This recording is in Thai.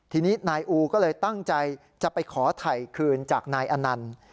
ทีนี้นายอูก็เลยตั้งใจจะไปขอถ่ายคืนจากนายอนันต์